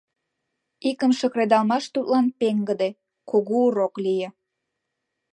Икымше кредалмаш тудлан пеҥгыде, кугу урок лие.